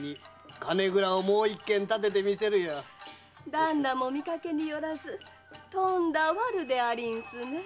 旦那も見かけによらずとんだワルでありんすねえ。